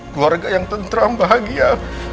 keluarga yang tenteram bahagia